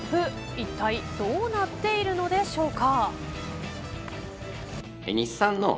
いったいどうなっているのでしょうか。